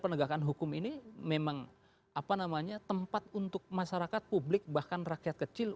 penegakan hukum ini memang apa namanya tempat untuk masyarakat publik bahkan rakyat kecil